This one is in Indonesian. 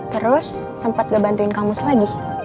terus sempat gak bantuin kamu lagi